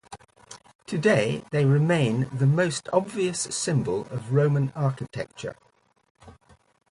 Today they remain "the most obvious symbol of Roman architecture".